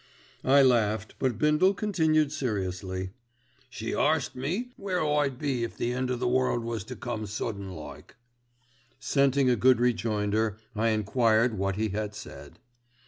I laughed, but Bindle continued seriously, "She arst me where I'd be if the end of the world was to come sudden like." Scenting a good rejoinder I enquired what he had said.